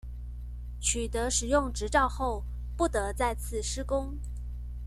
取得使用執照後不得再次施工